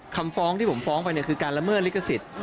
คำฟ้องที่ผมฟ้องไปคือการลำบสริกษิต